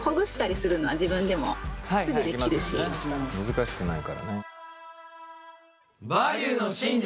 難しくないからね。